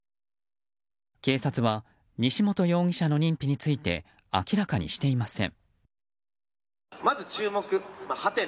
警察は西本容疑者の認否について明らかにしていません。